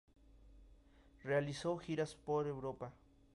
Realizó giras por Europa.